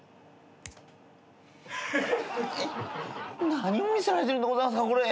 何を見せられてるでございますかこれ。